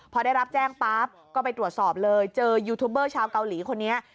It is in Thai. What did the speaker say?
พอได้รับแจ้งปั๊บก็ไปตรวจสอบเลยเจอยูทูบเบอร์ชาวเกาหลีคนนี้